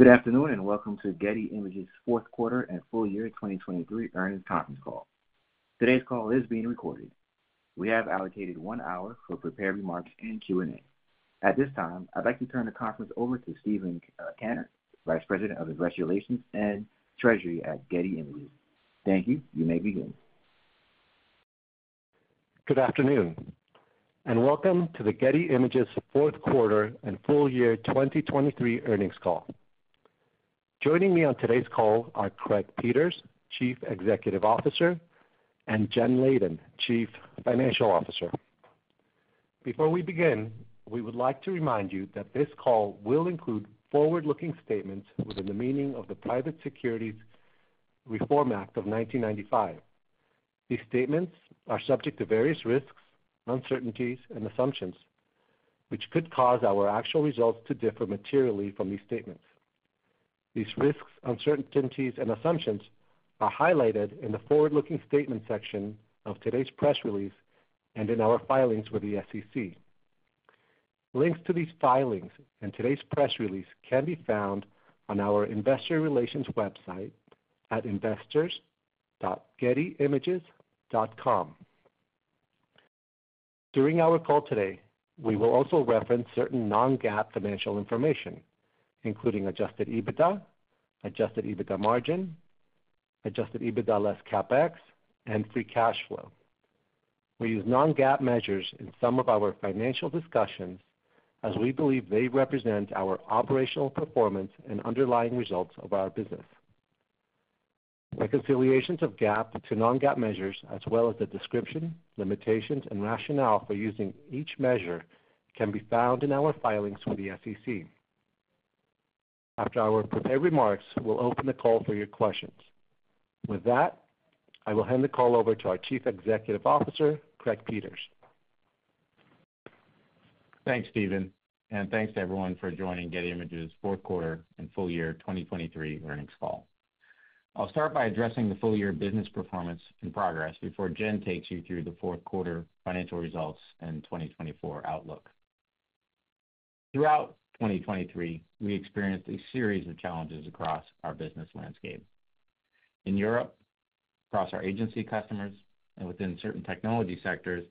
Good afternoon and welcome to Getty Images' fourth quarter and full year 2023 earnings conference call. Today's call is being recorded. We have allocated one hour for prepared remarks and Q&A. At this time, I'd like to turn the conference over to Stephen Kanner, Vice President of Investor Relations and Treasury at Getty Images. Thank you. You may begin. Good afternoon and welcome to the Getty Images' fourth quarter and full year 2023 earnings call. Joining me on today's call are Craig Peters, Chief Executive Officer, and Jen Leyden, Chief Financial Officer. Before we begin, we would like to remind you that this call will include forward-looking statements within the meaning of the Private Securities Reform Act of 1995. These statements are subject to various risks, uncertainties, and assumptions, which could cause our actual results to differ materially from these statements. These risks, uncertainties, and assumptions are highlighted in the forward-looking statements section of today's press release and in our filings with the SEC. Links to these filings and today's press release can be found on our Investor Relations website at investors.gettyimages.com. During our call today, we will also reference certain non-GAAP financial information, including adjusted EBITDA, adjusted EBITDA margin, adjusted EBITDA less CapEx, and free cash flow. We use non-GAAP measures in some of our financial discussions as we believe they represent our operational performance and underlying results of our business. Reconciliations of GAAP to non-GAAP measures, as well as the description, limitations, and rationale for using each measure, can be found in our filings with the SEC. After our prepared remarks, we'll open the call for your questions. With that, I will hand the call over to our Chief Executive Officer, Craig Peters. Thanks, Stephen, and thanks to everyone for joining Getty Images' fourth quarter and full year 2023 earnings call. I'll start by addressing the full year business performance and progress before Jen takes you through the fourth quarter financial results and 2024 outlook. Throughout 2023, we experienced a series of challenges across our business landscape. In Europe, across our agency customers, and within certain technology sectors,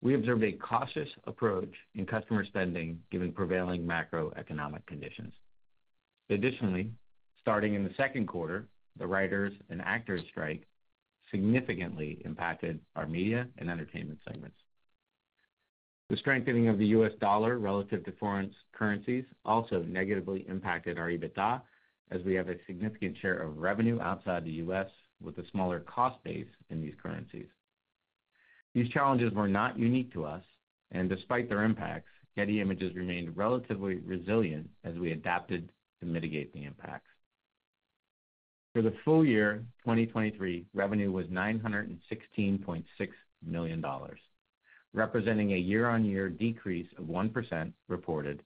we observed a cautious approach in customer spending given prevailing macroeconomic conditions. Additionally, starting in the second quarter, the writers' and actors' strike significantly impacted our media and entertainment segments. The strengthening of the U.S. dollar relative to foreign currencies also negatively impacted our EBITDA as we have a significant share of revenue outside the U.S. with a smaller cost base in these currencies. These challenges were not unique to us, and despite their impacts, Getty Images remained relatively resilient as we adapted to mitigate the impacts. For the full year 2023, revenue was $916.6 million, representing a year-on-year decrease of 1% reported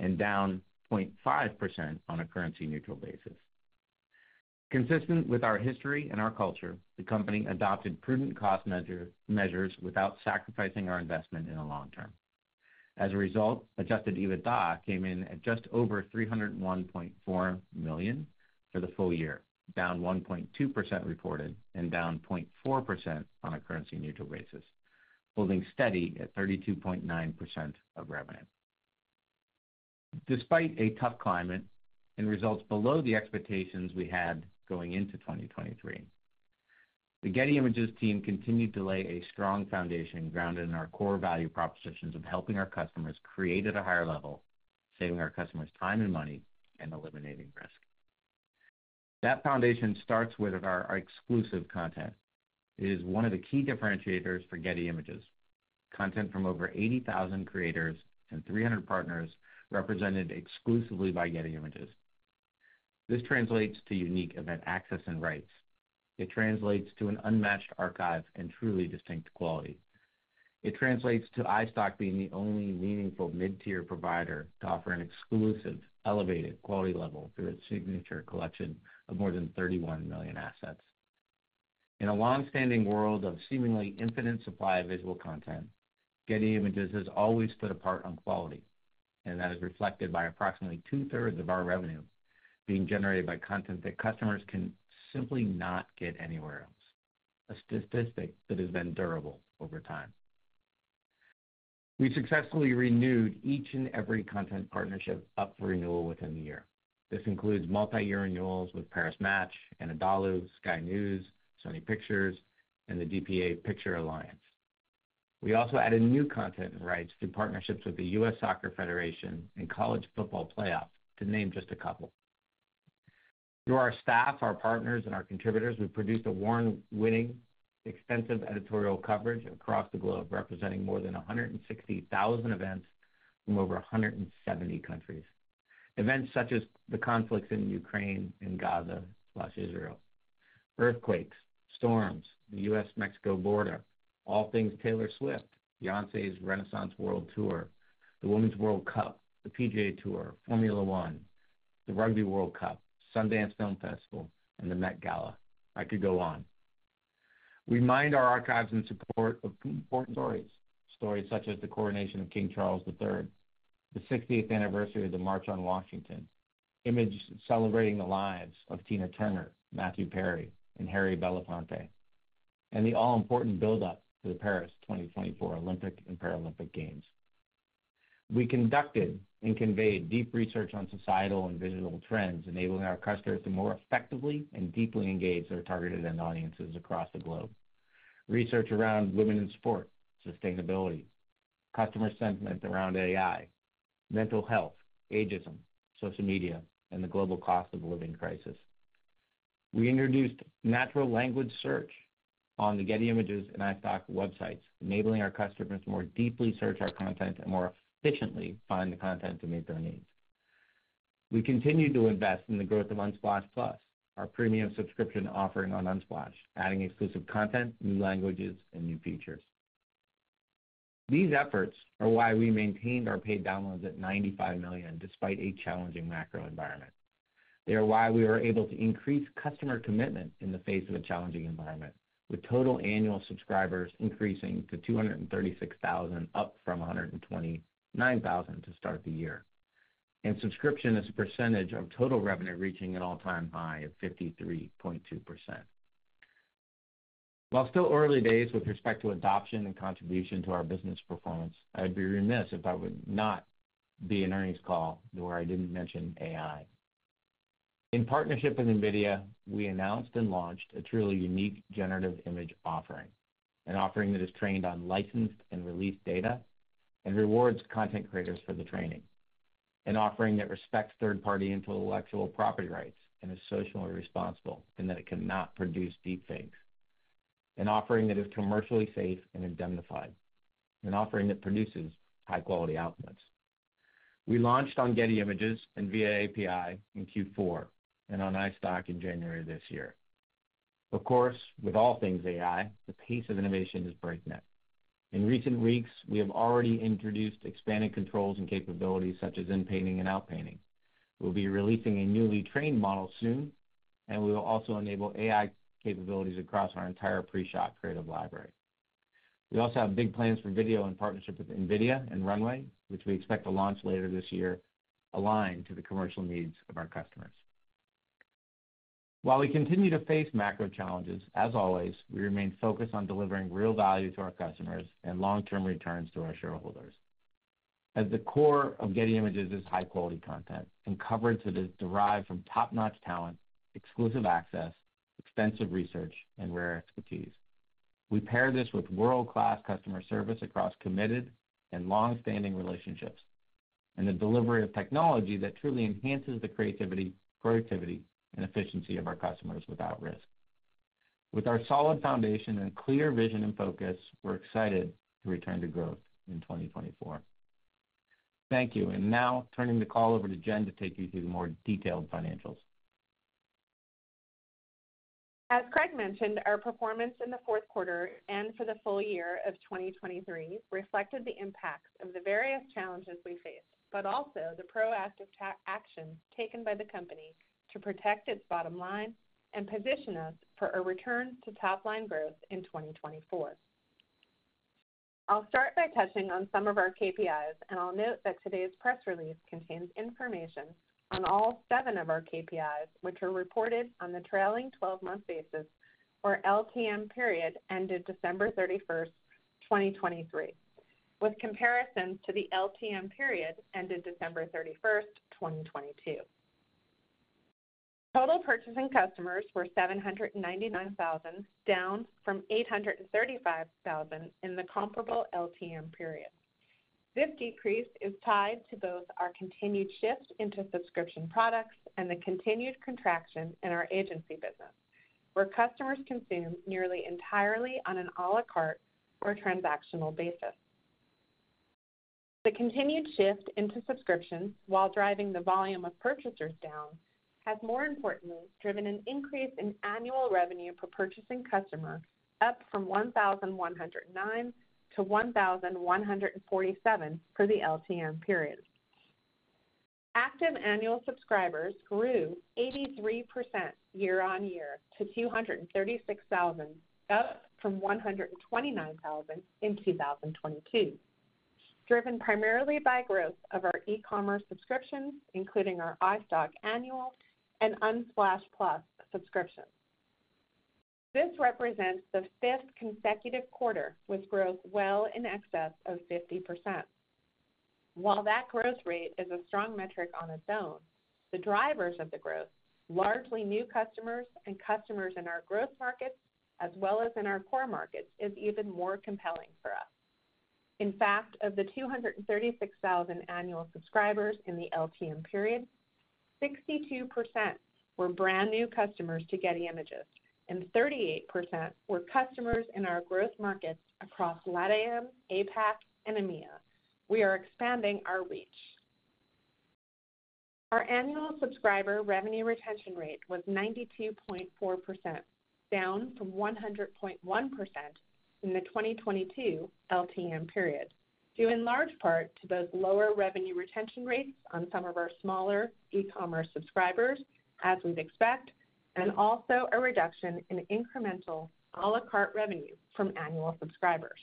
and down 0.5% on a currency-neutral basis. Consistent with our history and our culture, the company adopted prudent cost measures without sacrificing our investment in the long term. As a result, Adjusted EBITDA came in at just over $301.4 million for the full year, down 1.2% reported and down 0.4% on a currency-neutral basis, holding steady at 32.9% of revenue. Despite a tough climate and results below the expectations we had going into 2023, the Getty Images team continued to lay a strong foundation grounded in our core value propositions of helping our customers create at a higher level, saving our customers time and money, and eliminating risk. That foundation starts with our exclusive content. It is one of the key differentiators for Getty Images. Content from over 80,000 creators and 300 partners represented exclusively by Getty Images. This translates to unique event access and rights. It translates to an unmatched archive and truly distinct quality. It translates to iStock being the only meaningful mid-tier provider to offer an exclusive, elevated quality level through its Signature collection of more than 31 million assets. In a longstanding world of seemingly infinite supply of visual content, Getty Images has always stood apart on quality, and that is reflected by approximately 2/3 of our revenue being generated by content that customers can simply not get anywhere else, a statistic that has been durable over time. We successfully renewed each and every content partnership up for renewal within the year. This includes multi-year renewals with Paris Match, Anadolu, Sky News, Sony Pictures, and the dpa Picture-Alliance. We also added new content and rights through partnerships with the U.S. Soccer Federation and College Football Playoff, to name just a couple. Through our staff, our partners, and our contributors, we've produced award-winning, extensive Editorial coverage across the globe, representing more than 160,000 events from over 170 countries, events such as the conflicts in Ukraine and Gaza and Israel, earthquakes, storms, the U.S.-Mexico border, all things Taylor Swift, Beyoncé's Renaissance World Tour, the Women's World Cup, the PGA Tour, Formula One, the Rugby World Cup, Sundance Film Festival, and the Met Gala. I could go on. We mine our archives in support of important stories, stories such as the coronation of King Charles III, the 60th anniversary of the March on Washington, images celebrating the lives of Tina Turner, Matthew Perry, and Harry Belafonte, and the all-important buildup to the Paris 2024 Olympic and Paralympic Games. We conducted and conveyed deep research on societal and visual trends, enabling our customers to more effectively and deeply engage their targeted audiences across the globe, research around women in sport, sustainability, customer sentiment around AI, mental health, ageism, social media, and the global cost of living crisis. We introduced natural language search on the Getty Images and iStock websites, enabling our customers to more deeply search our content and more efficiently find the content to meet their needs. We continued to invest in the growth of Unsplash+, our premium subscription offering on Unsplash, adding exclusive content, new languages, and new features. These efforts are why we maintained our paid downloads at 95 million despite a challenging macro environment. They are why we were able to increase customer commitment in the face of a challenging environment, with total annual subscribers increasing to 236,000, up from 129,000 to start the year, and subscription as a percentage of total revenue reaching an all-time high of 53.2%. While still early days with respect to adoption and contribution to our business performance, I would be remiss if I would not be in earnings call where I didn't mention AI. In partnership with NVIDIA, we announced and launched a truly unique generative image offering, an offering that is trained on licensed and released data and rewards content creators for the training, an offering that respects third-party intellectual property rights and is socially responsible, and that it cannot produce deepfakes, an offering that is commercially safe and indemnified, an offering that produces high-quality outputs. We launched on Getty Images and via API in Q4 and on iStock in January this year. Of course, with all things AI, the pace of innovation is breakneck. In recent weeks, we have already introduced expanded controls and capabilities such as inpainting and outpainting. We'll be releasing a newly trained model soon, and we will also enable AI capabilities across our entire pre-shot Creative library. We also have big plans for video in partnership with NVIDIA and Runway, which we expect to launch later this year aligned to the commercial needs of our customers. While we continue to face macro challenges, as always, we remain focused on delivering real value to our customers and long-term returns to our shareholders. At the core of Getty Images is high-quality content and coverage that is derived from top-notch talent, exclusive access, extensive research, and rare expertise. We pair this with world-class customer service across committed and longstanding relationships and the delivery of technology that truly enhances the creativity, productivity, and efficiency of our customers without risk. With our solid foundation and clear vision and focus, we're excited to return to growth in 2024. Thank you. And now turning the call over to Jen to take you through the more detailed financials. As Craig mentioned, our performance in the fourth quarter and for the full year of 2023 reflected the impacts of the various challenges we faced, but also the proactive actions taken by the company to protect its bottom line and position us for a return to top-line growth in 2024. I'll start by touching on some of our KPIs, and I'll note that today's press release contains information on all seven of our KPIs, which are reported on the trailing 12-month basis, where LTM period ended December 31st, 2023, with comparisons to the LTM period ended December 31st, 2022. Total purchasing customers were 799,000, down from 835,000 in the comparable LTM period. This decrease is tied to both our continued shift into subscription products and the continued contraction in our agency business, where customers consume nearly entirely on an à la carte or transactional basis. The continued shift into subscriptions, while driving the volume of purchasers down, has more importantly driven an increase in annual revenue per purchasing customer, up from $1,109 to $1,147 for the LTM period. Active annual subscribers grew 83% year-on-year to 236,000, up from 129,000 in 2022, driven primarily by growth of our e-commerce subscriptions, including our iStock annual and Unsplash+ subscriptions. This represents the fifth consecutive quarter with growth well in excess of 50%. While that growth rate is a strong metric on its own, the drivers of the growth, largely new customers and customers in our growth markets as well as in our core markets, are even more compelling for us. In fact, of the 236,000 annual subscribers in the LTM period, 62% were brand new customers to Getty Images, and 38% were customers in our growth markets across LATAM, APAC, and EMEA. We are expanding our reach. Our annual subscriber revenue retention rate was 92.4%, down from 100.1% in the 2022 LTM period, due in large part to both lower revenue retention rates on some of our smaller e-commerce subscribers, as we'd expect, and also a reduction in incremental à la carte revenue from annual subscribers.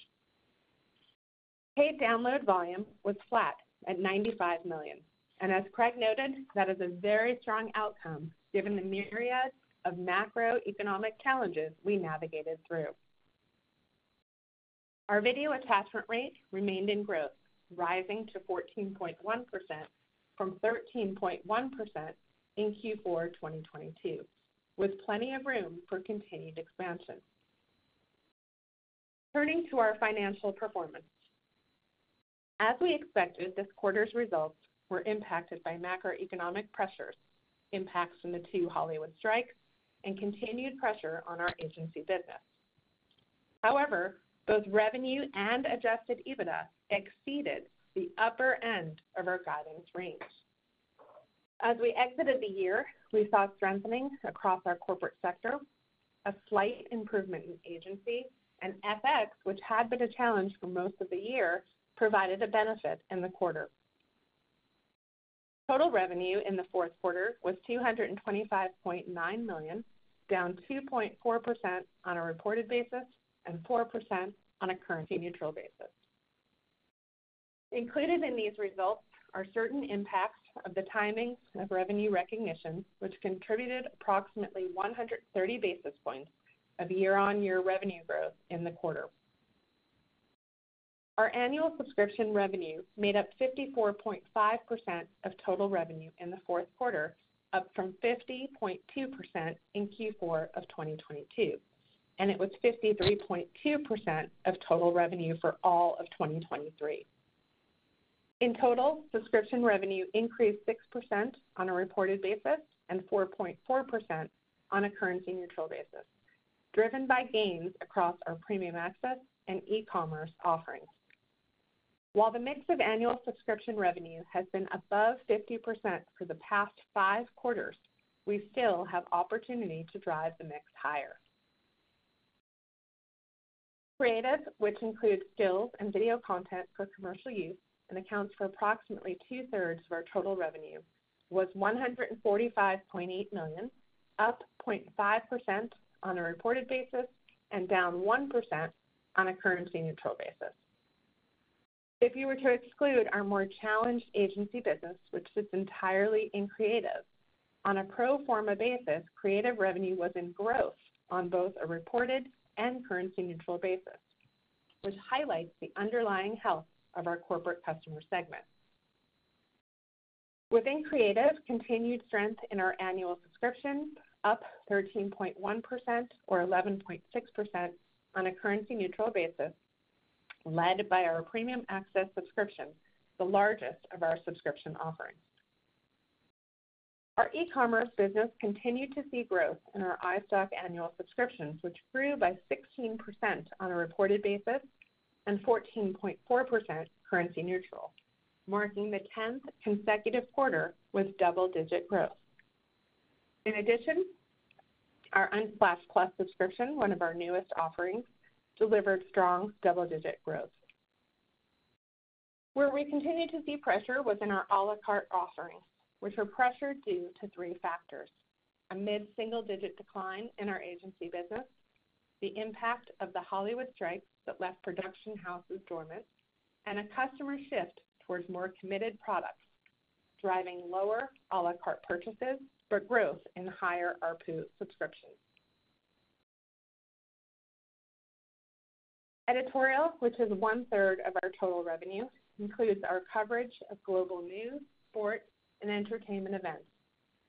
Paid download volume was flat at 95 million, and as Craig noted, that is a very strong outcome given the myriad of macroeconomic challenges we navigated through. Our video attachment rate remained in growth, rising to 14.1% from 13.1% in Q4 2022, with plenty of room for continued expansion. Turning to our financial performance. As we expected, this quarter's results were impacted by macroeconomic pressures, impacts from the two Hollywood strikes, and continued pressure on our agency business. However, both revenue and Adjusted EBITDA exceeded the upper end of our guidance range. As we exited the year, we saw strengthening across our corporate sector. A slight improvement in agency, and FX, which had been a challenge for most of the year, provided a benefit in the quarter. Total revenue in the fourth quarter was $225.9 million, down 2.4% on a reported basis and 4% on a currency-neutral basis. Included in these results are certain impacts of the timings of revenue recognition, which contributed approximately 130 basis points of year-on-year revenue growth in the quarter. Our annual subscription revenue made up 54.5% of total revenue in the fourth quarter, up from 50.2% in Q4 of 2022, and it was 53.2% of total revenue for all of 2023. In total, subscription revenue increased 6% on a reported basis and 4.4% on a currency-neutral basis, driven by gains across our premium access and e-commerce offerings. While the mix of annual subscription revenue has been above 50% for the past five quarters, we still have opportunity to drive the mix higher. Creative, which includes skills and video content for commercial use and accounts for approximately 2/3 of our total revenue, was $145.8 million, up 0.5% on a reported basis and down 1% on a currency-neutral basis. If you were to exclude our more challenged agency business, which sits entirely in Creative, on a pro forma basis, Creative revenue was in growth on both a reported and currency-neutral basis, which highlights the underlying health of our corporate customer segment. Within Creative, continued strength in our annual subscriptions, up 13.1% or 11.6% on a currency-neutral basis, led by our Premium Access subscription, the largest of our subscription offerings. Our e-commerce business continued to see growth in our iStock annual subscriptions, which grew by 16% on a reported basis and 14.4% currency-neutral, marking the 10th consecutive quarter with double-digit growth. In addition, our Unsplash+ subscription, one of our newest offerings, delivered strong double-digit growth. Where we continue to see pressure was in our à la carte offerings, which were pressured due to three factors: a mid-single-digit decline in our agency business, the impact of the Hollywood strikes that left production houses dormant, and a customer shift towards more committed products, driving lower à la carte purchases but growth in higher ARPU subscriptions. Editorial, which is 1/3 of our total revenue, includes our coverage of global news, sports, and entertainment events,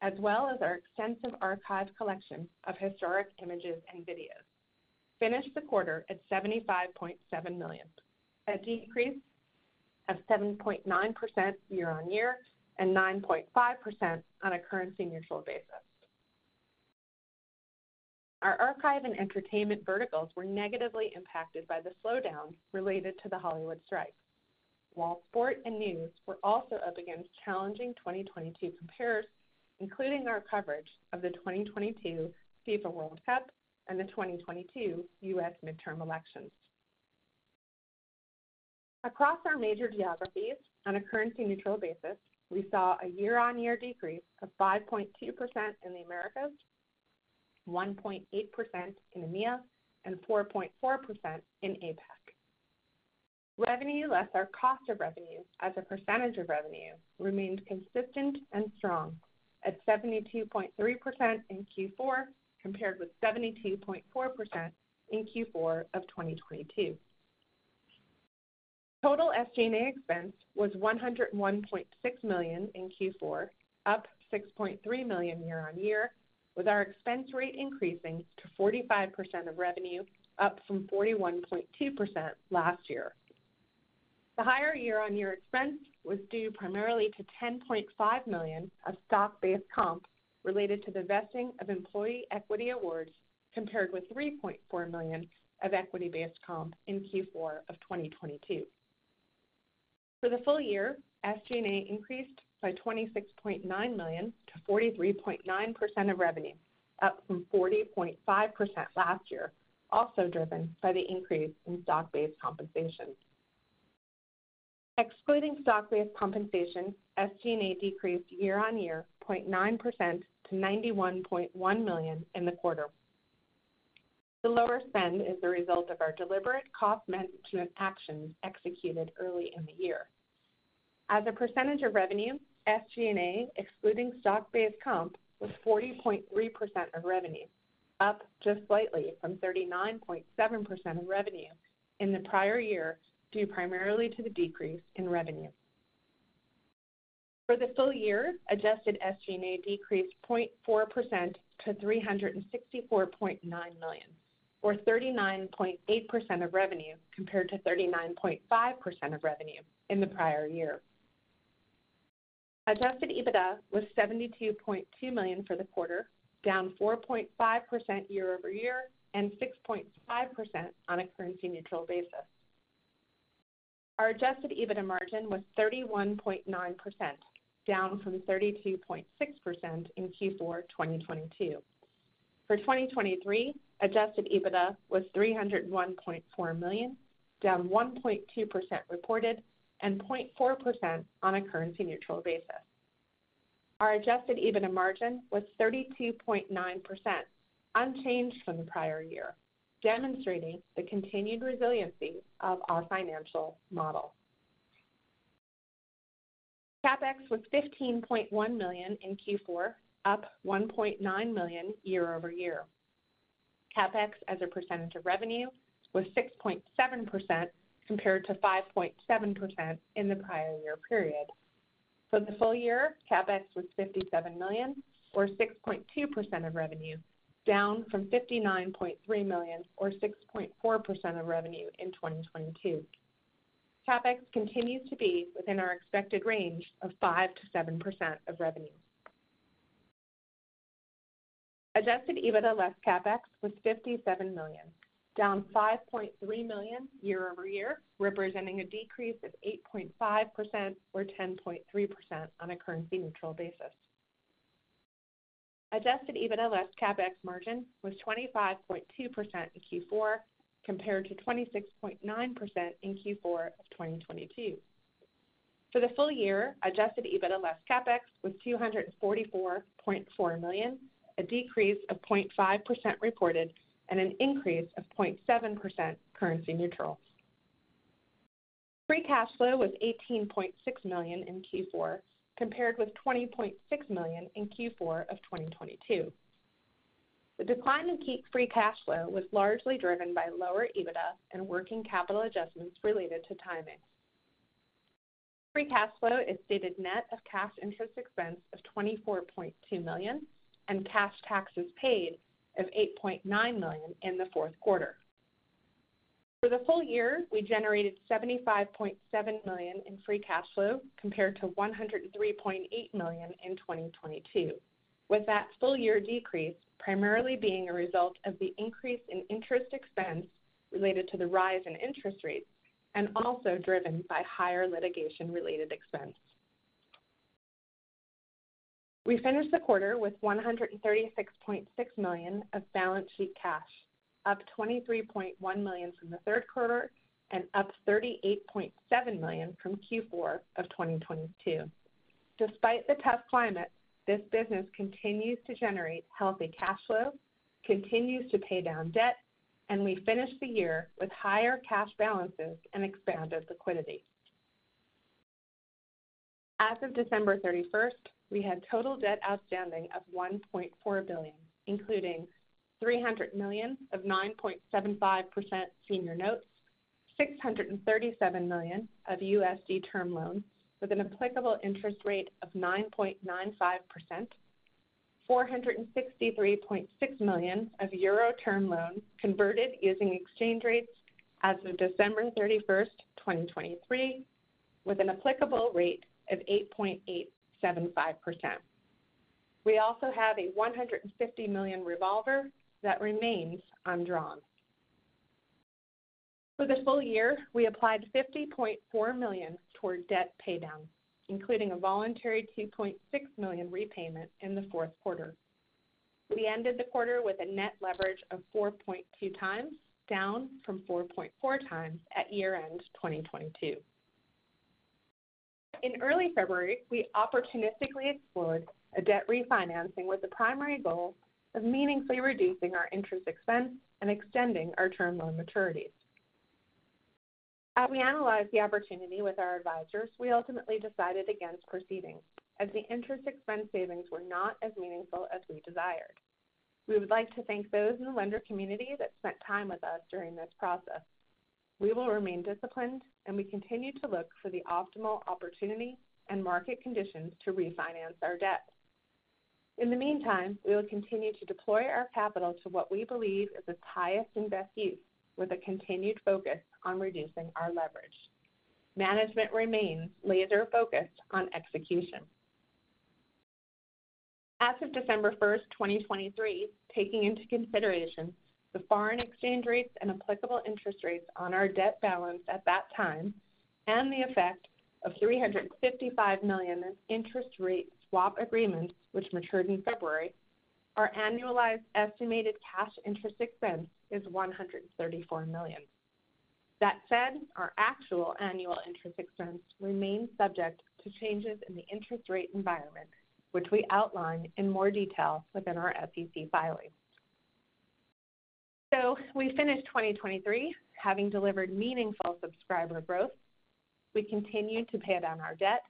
as well as our extensive archive collection of historic images and videos, finished the quarter at $75.7 million, a decrease of 7.9% year-on-year and 9.5% on a currency-neutral basis. Our archive and entertainment verticals were negatively impacted by the slowdown related to the Hollywood strikes, while sport and news were also up against challenging 2022 comparables, including our coverage of the 2022 FIFA World Cup and the 2022 U.S. midterm elections. Across our major geographies on a currency-neutral basis, we saw a year-on-year decrease of 5.2% in the Americas, 1.8% in EMEA, and 4.4% in APAC. Revenue, less our cost of revenue as a percentage of revenue, remained consistent and strong at 72.3% in Q4 compared with 72.4% in Q4 of 2022. Total SG&A expense was $101.6 million in Q4, up $6.3 million year-on-year, with our expense rate increasing to 45% of revenue, up from 41.2% last year. The higher year-on-year expense was due primarily to $10.5 million of stock-based comp related to the vesting of employee equity awards compared with $3.4 million of equity-based comp in Q4 of 2022. For the full year, SG&A increased by $26.9 million to 43.9% of revenue, up from 40.5% last year, also driven by the increase in stock-based compensation. Excluding stock-based compensation, SG&A decreased year-on-year 0.9% to $91.1 million in the quarter. The lower spend is the result of our deliberate cost management actions executed early in the year. As a percentage of revenue, SG&A, excluding stock-based comp, was 40.3% of revenue, up just slightly from 39.7% of revenue in the prior year due primarily to the decrease in revenue. For the full year, Adjusted SG&A decreased 0.4% to $364.9 million, or 39.8% of revenue compared to 39.5% of revenue in the prior year. Adjusted EBITDA was $72.2 million for the quarter, down 4.5% year-over-year and 6.5% on a currency-neutral basis. Our adjusted EBITDA margin was 31.9%, down from 32.6% in Q4 2022. For 2023, adjusted EBITDA was $301.4 million, down 1.2% reported and 0.4% on a currency-neutral basis. Our adjusted EBITDA margin was 32.9%, unchanged from the prior year, demonstrating the continued resiliency of our financial model. CapEx was $15.1 million in Q4, up $1.9 million year-over-year. CapEx as a percentage of revenue was 6.7% compared to 5.7% in the prior year period. For the full year, CapEx was $57 million, or 6.2% of revenue, down from $59.3 million or 6.4% of revenue in 2022. CapEx continues to be within our expected range of 5%-7% of revenue. Adjusted EBITDA less CapEx was $57 million, down $5.3 million year-over-year, representing a decrease of 8.5% or 10.3% on a currency-neutral basis. Adjusted EBITDA less CapEx margin was 25.2% in Q4 compared to 26.9% in Q4 of 2022. For the full year, adjusted EBITDA less CapEx was $244.4 million, a decrease of 0.5% reported and an increase of 0.7% currency-neutral. Free cash flow was $18.6 million in Q4 compared with $20.6 million in Q4 of 2022. The decline in free cash flow was largely driven by lower EBITDA and working capital adjustments related to timings. Free cash flow is stated net of cash interest expense of $24.2 million and cash taxes paid of $8.9 million in the fourth quarter. For the full year, we generated $75.7 million in free cash flow compared to $103.8 million in 2022, with that full year decrease primarily being a result of the increase in interest expense related to the rise in interest rates and also driven by higher litigation-related expense. We finished the quarter with $136.6 million of balance sheet cash, up $23.1 million from the third quarter and up $38.7 million from Q4 of 2022. Despite the tough climate, this business continues to generate healthy cash flow, continues to pay down debt, and we finished the year with higher cash balances and expanded liquidity. As of December 31st, we had total debt outstanding of $1.4 billion, including $300 million of 9.75% Senior Notes, $637 million of USD Term Loans with an applicable interest rate of 9.95%, 463.6 million of euro Term Loans converted using exchange rates as of December 31st, 2023, with an applicable rate of 8.875%. We also have a $150 million Revolver that remains undrawn. For the full year, we applied $50.4 million toward debt paydown, including a voluntary $2.6 million repayment in the fourth quarter. We ended the quarter with a net leverage of 4.2x, down from 4.4x at year-end 2022. In early February, we opportunistically explored a debt refinancing with the primary goal of meaningfully reducing our interest expense and extending our term loan maturities. As we analyzed the opportunity with our advisors, we ultimately decided against proceeding as the interest expense savings were not as meaningful as we desired. We would like to thank those in the lender community that spent time with us during this process. We will remain disciplined, and we continue to look for the optimal opportunity and market conditions to refinance our debt. In the meantime, we will continue to deploy our capital to what we believe is its highest and best use, with a continued focus on reducing our leverage. Management remains laser-focused on execution. As of December 1st, 2023, taking into consideration the foreign exchange rates and applicable interest rates on our debt balance at that time and the effect of $355 million in interest rate swap agreements, which matured in February, our annualized estimated cash interest expense is $134 million. That said, our actual annual interest expense remains subject to changes in the interest rate environment, which we outline in more detail within our SEC filing. So we finished 2023 having delivered meaningful subscriber growth. We continued to pay down our debt.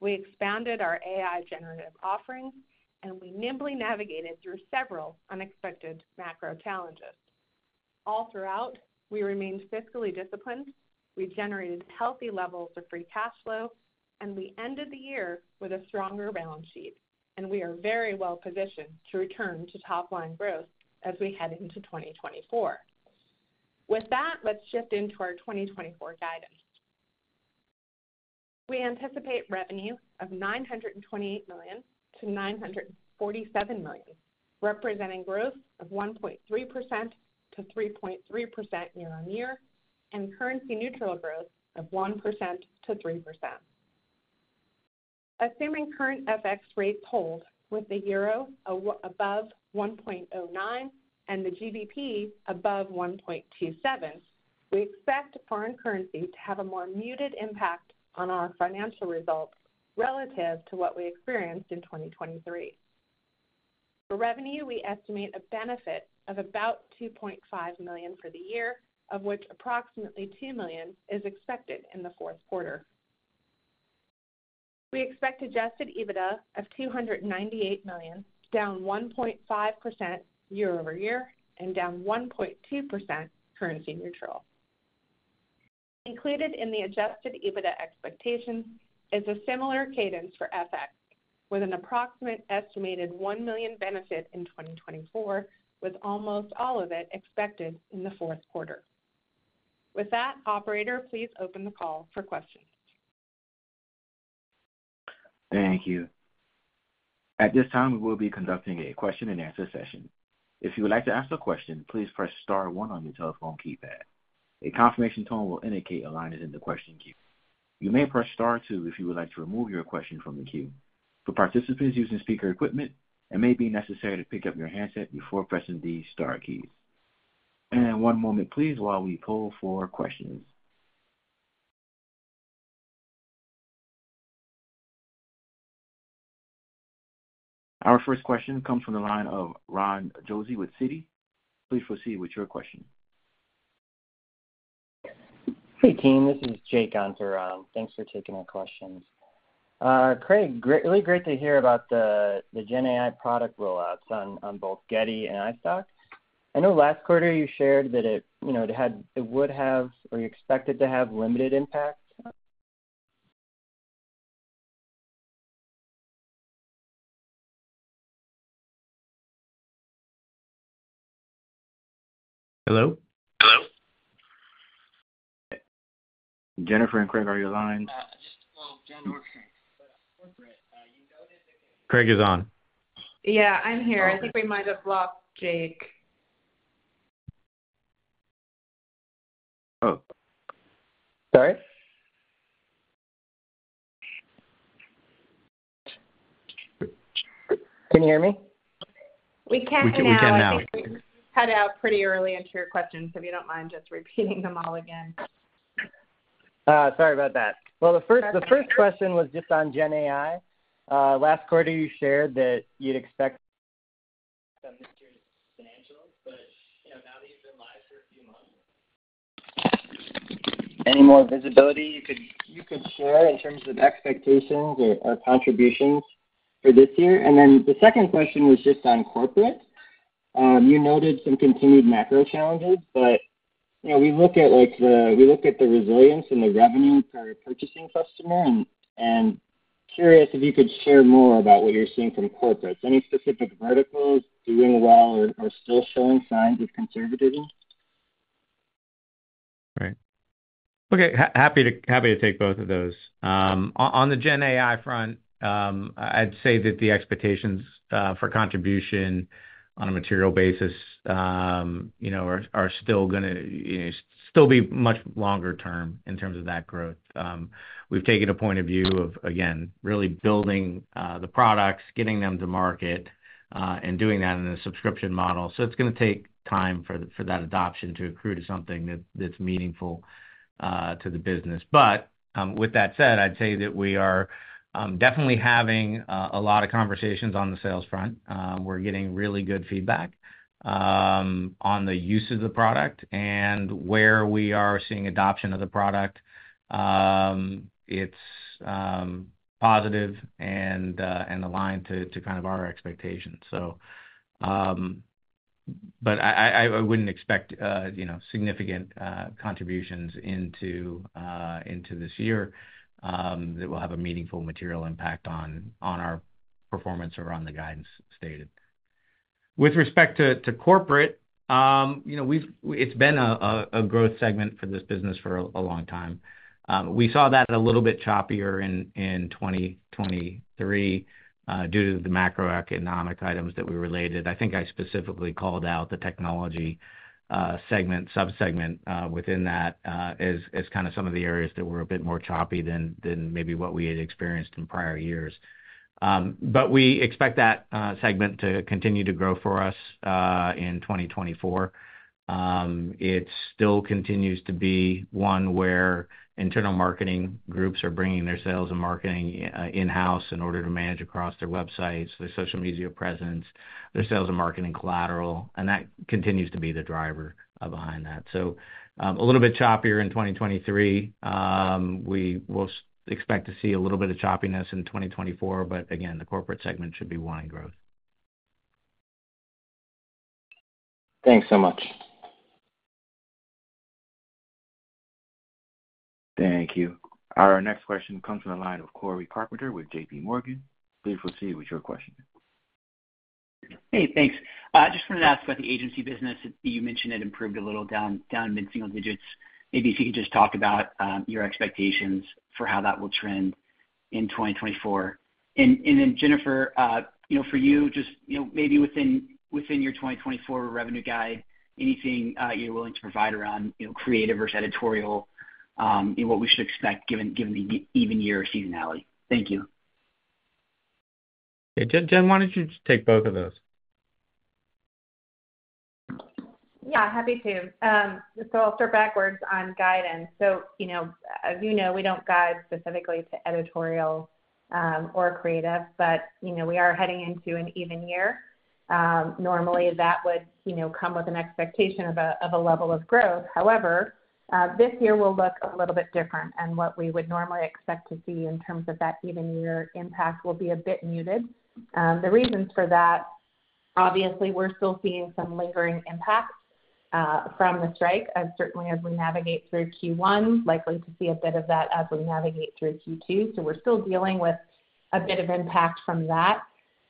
We expanded our AI generative offerings, and we nimbly navigated through several unexpected macro challenges. All throughout, we remained fiscally disciplined. We generated healthy levels of free cash flow, and we ended the year with a stronger balance sheet, and we are very well positioned to return to top-line growth as we head into 2024. With that, let's shift into our 2024 guidance. We anticipate revenue of $928 million to $947 million, representing growth of 1.3% to 3.3% year-on-year and currency-neutral growth of 1% to 3%. Assuming current FX rates hold with the euro above 1.09 and the GBP above 1.27, we expect foreign currency to have a more muted impact on our financial results relative to what we experienced in 2023. For revenue, we estimate a benefit of about $2.5 million for the year, of which approximately $2 million is expected in the fourth quarter. We expect Adjusted EBITDA of $298 million, down 1.5% year-over-year and down 1.2% currency-neutral. Included in the Adjusted EBITDA expectations is a similar cadence for FX, with an approximate estimated $1 million benefit in 2024, with almost all of it expected in the fourth quarter. With that, operator, please open the call for questions. Thank you. At this time, we will be conducting a question-and-answer session. If you would like to ask a question, please press star one on your telephone keypad. A confirmation tone will indicate alignment in the question queue. You may press star two if you would like to remove your question from the queue. For participants using speaker equipment, it may be necessary to pick up your handset before pressing the star keys. One moment, please, while we pull for questions. Our first question comes from the line of Ron Josey with Citi. Please proceed with your question. Hey, team. This is Jake Ganter, Ron. Thanks for taking our questions. Craig, really great to hear about the GenAI product rollouts on both Getty and iStock. I know last quarter you shared that it would have or you expected to have limited impact. Hello? Hello? Jennifer and Craig, are you on line? Craig is on. Yeah, I'm here. I think we might have lost Jake. Oh. Sorry? Can you hear me? We can now. We can now. We cut out pretty early into your questions, so if you don't mind just repeating them all again. Sorry about that. Well, the first question was just on GenAI. Last quarter, you shared that you'd expect some impact on this year's financials, but now that you've been live for a few months, any more visibility you could share in terms of expectations or contributions for this year? And then the second question was just on corporate. You noted some continued macro challenges, but we look at the resilience and the revenue per purchasing customer and curious if you could share more about what you're seeing from corporates. Any specific verticals doing well or still showing signs of conservatism? Right. Okay. Happy to take both of those. On the GenAI front, I'd say that the expectations for contribution on a material basis are still going to still be much longer-term in terms of that growth. We've taken a point of view of, again, really building the products, getting them to market, and doing that in a subscription model. So it's going to take time for that adoption to accrue to something that's meaningful to the business. But with that said, I'd say that we are definitely having a lot of conversations on the sales front. We're getting really good feedback on the use of the product and where we are seeing adoption of the product. It's positive and aligned to kind of our expectations. But I wouldn't expect significant contributions into this year that will have a meaningful material impact on our performance or on the guidance stated. With respect to corporate, it's been a growth segment for this business for a long time. We saw that a little bit choppier in 2023 due to the macroeconomic items that we related. I think I specifically called out the technology subsegment within that as kind of some of the areas that were a bit more choppy than maybe what we had experienced in prior years. But we expect that segment to continue to grow for us in 2024. It still continues to be one where internal marketing groups are bringing their sales and marketing in-house in order to manage across their websites, their social media presence, their sales and marketing collateral. That continues to be the driver behind that. So a little bit choppier in 2023. We will expect to see a little bit of choppiness in 2024. Again, the corporate segment should be one in growth. Thanks so much. Thank you. Our next question comes from the line of Cory Carpenter with J.P. Morgan. Please proceed with your question. Hey, thanks. I just wanted to ask about the agency business. You mentioned it improved a little down mid-single digits. Maybe if you could just talk about your expectations for how that will trend in 2024. And then, Jennifer, for you, just maybe within your 2024 revenue guide, anything you're willing to provide around Creative versus Editorial, what we should expect given the even year seasonality. Thank you. Jen, why don't you take both of those? Yeah, happy to. So I'll start backwards on guidance. So as you know, we don't guide specifically to Editorial or Creative, but we are heading into an even year. Normally, that would come with an expectation of a level of growth. However, this year will look a little bit different, and what we would normally expect to see in terms of that even year impact will be a bit muted. The reasons for that, obviously, we're still seeing some lingering impact from the strike. Certainly, as we navigate through Q1, likely to see a bit of that as we navigate through Q2. So we're still dealing with a bit of impact from that.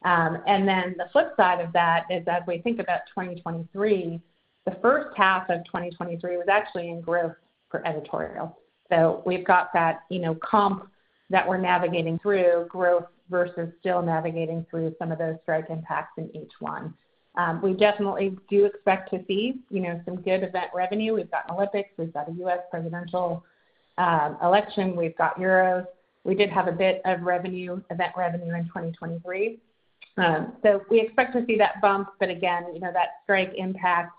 And then the flip side of that is, as we think about 2023, the first half of 2023 was actually in growth for Editorial. So we've got that comp that we're navigating through, growth versus still navigating through some of those strike impacts in each one. We definitely do expect to see some good event revenue. We've got an Olympics. We've got a U.S. presidential election. We've got Euros. We did have a bit of event revenue in 2023. So we expect to see that bump. But again, that strike impact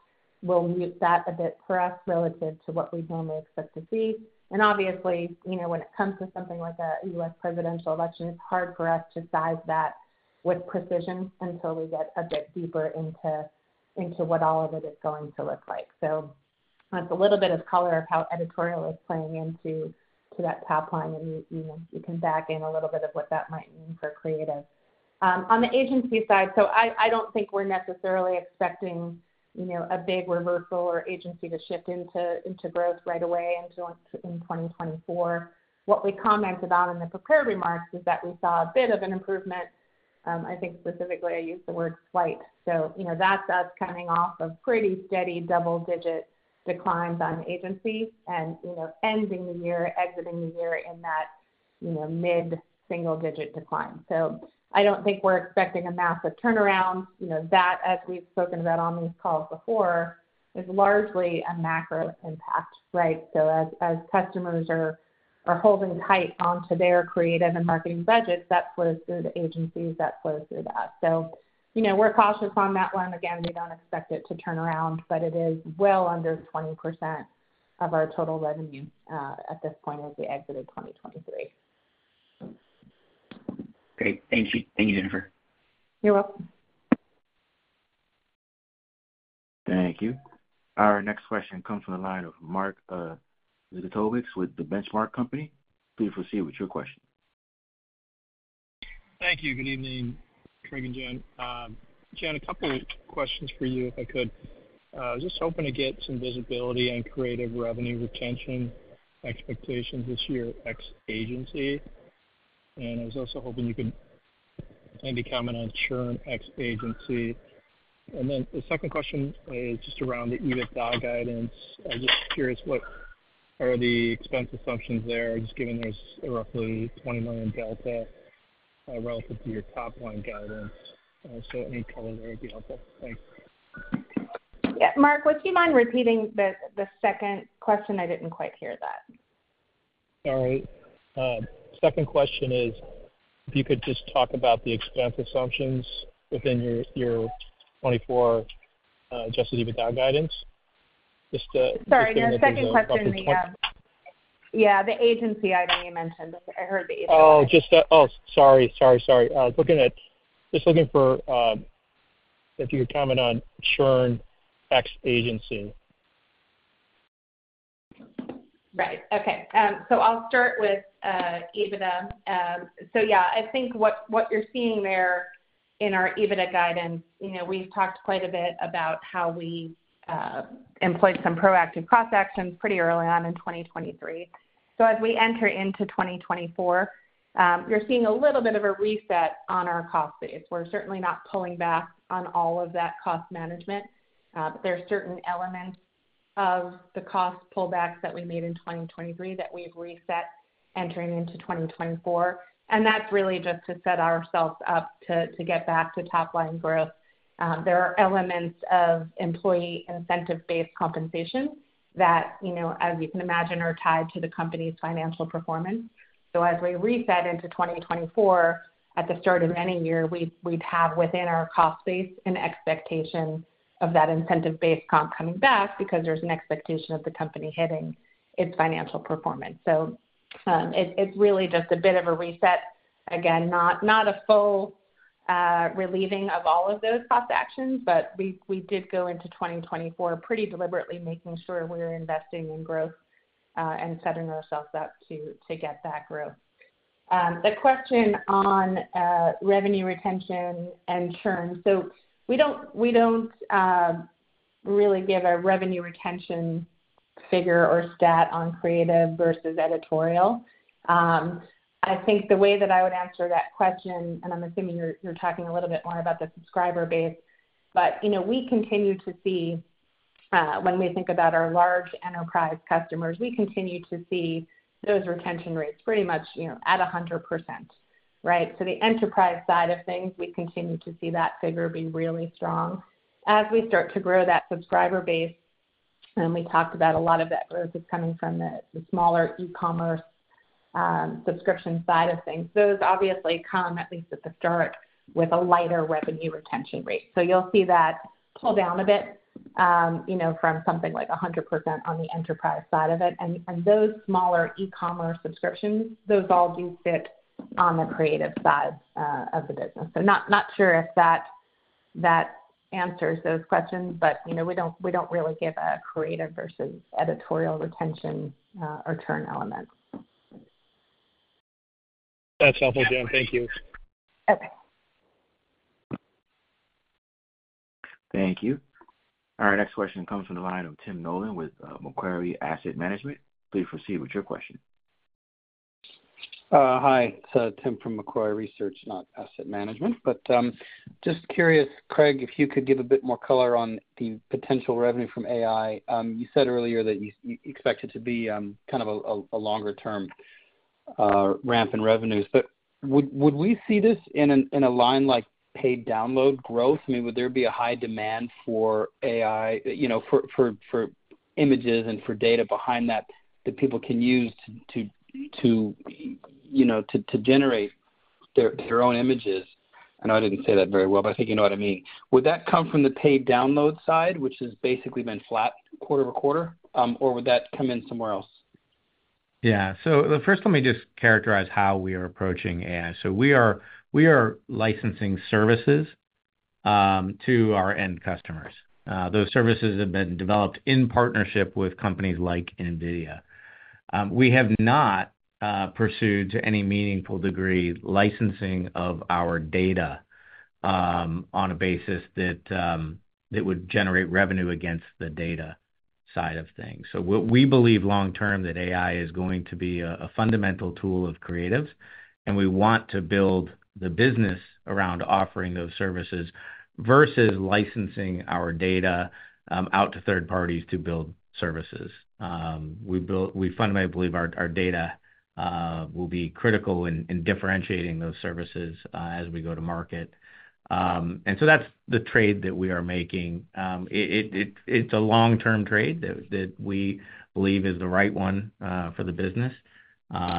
will mute that a bit for us relative to what we normally expect to see. And obviously, when it comes to something like a U.S. presidential election, it's hard for us to size that with precision until we get a bit deeper into what all of it is going to look like. So that's a little bit of color of how Editorial is playing into that top line. And you can back in a little bit of what that might mean for Creative. On the agency side, so I don't think we're necessarily expecting a big reversal or agency to shift into growth right away in 2024. What we commented on in the prepared remarks is that we saw a bit of an improvement. I think specifically, I used the word slight. So that's us coming off of pretty steady double-digit declines on agency and ending the year, exiting the year in that mid-single-digit decline. So I don't think we're expecting a massive turnaround. That, as we've spoken about on these calls before, is largely a macro impact, right? So as customers are holding tight onto their Creative and marketing budgets, that flows through the agencies. That flows through to us. So we're cautious on that one. Again, we don't expect it to turn around, but it is well under 20% of our total revenue at this point as we exited 2023. Great. Thank you. Thank you, Jennifer. You're welcome. Thank you. Our next question comes from the line of Mark Zgutowicz with The Benchmark Company. Please proceed with your question. Thank you. Good evening, Craig and Jen. Jen, a couple of questions for you, if I could. I was just hoping to get some visibility on Creative revenue retention expectations this year ex-agency. And I was also hoping you could maybe comment on churn ex-agency. And then the second question is just around the EBITDA guidance. I'm just curious, what are the expense assumptions there, just given there's a roughly $20 million delta relative to your top-line guidance? So any color there would be helpful. Thanks. Yeah, Mark, would you mind repeating the second question? I didn't quite hear that. All right. Second question is if you could just talk about the expense assumptions within your 2024 Adjusted EBITDA guidance. Just to. Sorry. The second question, yeah, the agency item you mentioned. I heard the agency. Oh, sorry. Sorry, sorry. I was just looking for if you could comment on churn ex-agency. Right. Okay. So I'll start with EBITDA. So yeah, I think what you're seeing there in our EBITDA guidance, we've talked quite a bit about how we employed some proactive cost actions pretty early on in 2023. So as we enter into 2024, you're seeing a little bit of a reset on our cost base. We're certainly not pulling back on all of that cost management, but there are certain elements of the cost pullbacks that we made in 2023 that we've reset entering into 2024. And that's really just to set ourselves up to get back to top-line growth. There are elements of employee incentive-based compensation that, as you can imagine, are tied to the company's financial performance. So as we reset into 2024, at the start of any year, we'd have within our cost base an expectation of that incentive-based comp coming back because there's an expectation of the company hitting its financial performance. So it's really just a bit of a reset. Again, not a full relieving of all of those cost actions, but we did go into 2024 pretty deliberately making sure we're investing in growth and setting ourselves up to get that growth. The question on revenue retention and churn. So we don't really give a revenue retention figure or stat on Creative versus Editorial. I think the way that I would answer that question, and I'm assuming you're talking a little bit more about the subscriber base, but we continue to see when we think about our large enterprise customers, we continue to see those retention rates pretty much at 100%, right? So the enterprise side of things, we continue to see that figure be really strong. As we start to grow that subscriber base, and we talked about a lot of that growth is coming from the smaller e-commerce subscription side of things. Those obviously come, at least at the start, with a lighter revenue retention rate. So you'll see that pull down a bit from something like 100% on the enterprise side of it. And those smaller e-commerce subscriptions, those all do sit on the Creative side of the business. So not sure if that answers those questions, but we don't really give a Creative versus Editorial retention or churn element. That's helpful, Jen. Thank you. Okay. Thank you. Our next question comes from the line of Tim Nollen with Macquarie. Please proceed with your question. Hi. It's Tim from Macquarie Research, not Asset Management. But just curious, Craig, if you could give a bit more color on the potential revenue from AI. You said earlier that you expect it to be kind of a longer-term ramp in revenues. But would we see this in a line like paid download growth? I mean, would there be a high demand for AI for images and for data behind that that people can use to generate their own images? I know I didn't say that very well, but I think you know what I mean. Would that come from the paid download side, which has basically been flat quarter to quarter, or would that come in somewhere else? Yeah. So first, let me just characterize how we are approaching AI. So we are licensing services to our end customers. Those services have been developed in partnership with companies like NVIDIA. We have not pursued to any meaningful degree licensing of our data on a basis that would generate revenue against the data side of things. So we believe long-term that AI is going to be a fundamental tool of Creatives. And we want to build the business around offering those services versus licensing our data out to third parties to build services. We fundamentally believe our data will be critical in differentiating those services as we go to market. And so that's the trade that we are making. It's a long-term trade that we believe is the right one for the business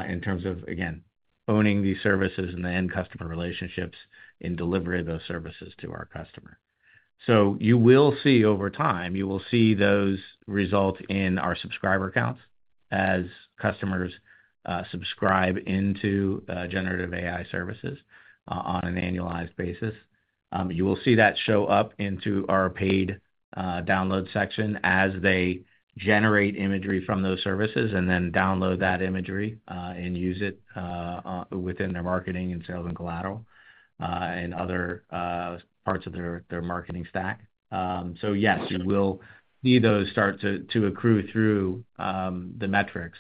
in terms of, again, owning these services and the end customer relationships in delivery of those services to our customer. So you will see over time, you will see those result in our subscriber counts as customers subscribe into generative AI services on an annualized basis. You will see that show up into our paid download section as they generate imagery from those services and then download that imagery and use it within their marketing and sales and collateral and other parts of their marketing stack. So yes, you will see those start to accrue through the metrics.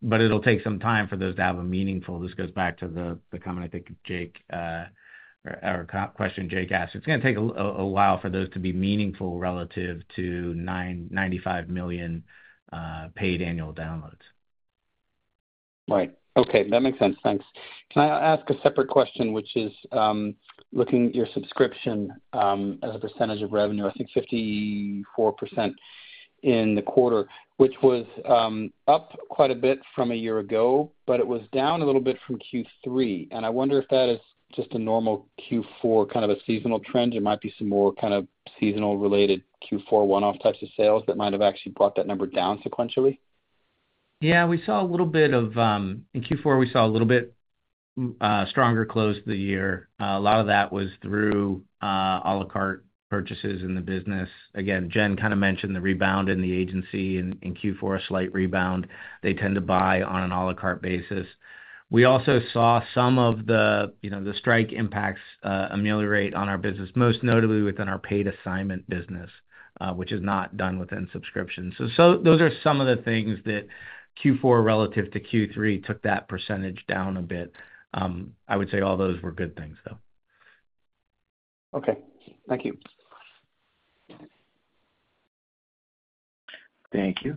But it'll take some time for those to have a meaningful this goes back to the comment, I think, of Jake or a question Jake asked. It's going to take a while for those to be meaningful relative to 95 million paid annual downloads. Right. Okay. That makes sense. Thanks. Can I ask a separate question, which is looking at your subscription as a percentage of revenue? I think 54% in the quarter, which was up quite a bit from a year ago, but it was down a little bit from Q3. I wonder if that is just a normal Q4 kind of a seasonal trend. It might be some more kind of seasonal-related Q4 one-off types of sales that might have actually brought that number down sequentially. Yeah. In Q4, we saw a little bit stronger close of the year. A lot of that was through à la carte purchases in the business. Again, Jen kind of mentioned the rebound in the agency in Q4, a slight rebound. They tend to buy on an à la carte basis. We also saw some of the strike impacts ameliorate on our business, most notably within our paid assignment business, which is not done within subscriptions. So those are some of the things that Q4 relative to Q3 took that percentage down a bit. I would say all those were good things, though. Okay. Thank you. Thank you.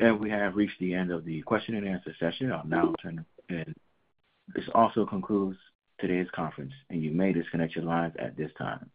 We have reached the end of the question-and-answer session. I'll now turn this also concludes today's conference, and you may disconnect your lines at this time.